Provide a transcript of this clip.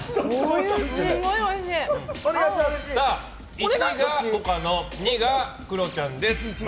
１が岡野、２がクロちゃんです。